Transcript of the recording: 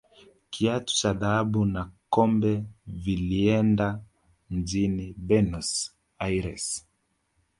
kiatu cha dhahabu na kombe vilieenda mjini benus aires